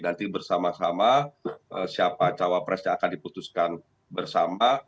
nanti bersama sama siapa cawapres yang akan diputuskan bersama